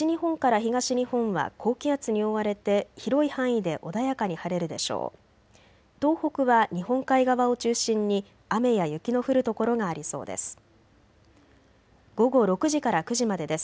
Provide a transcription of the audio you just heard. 東北は日本海側を中心に雨や雪の降る所がありそうです。